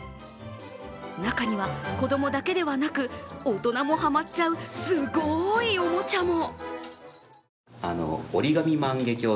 中には、子供だけではなく、大人もはまっちゃう、すごいおもちゃも。